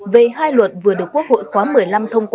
về hai luật vừa được quốc hội khóa một mươi năm thông qua